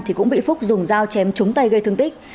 thì cũng bị phúc dùng dao chém trúng tay gây thương tích